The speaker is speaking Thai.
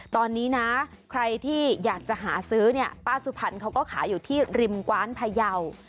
ตอนนี้นะใครที่อยากจะหาซื้อเนี่ยป้าสุพรรณเขาก็ขายอยู่ที่ริมกว้านพยาว